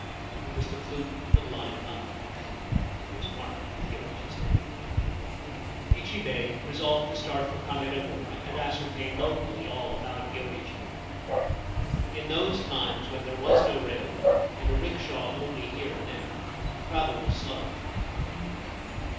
It was the flute of a blind amma. It was marked with Yoichi's name. Ichibei resolved to start for Kamedamura and ascertain locally all about Yoichi. In those times, when there was no railway and a rickshaw only here and there, travel was slow.